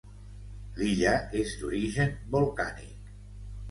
L'illa és d'origen volcànic.